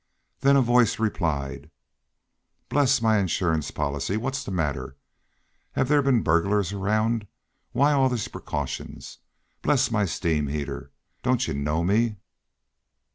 Then a voice replied: "Bless my insurance policy! What's the matter? Have there been burglars around? Why all these precautions? Bless my steam heater! Don't you know me?"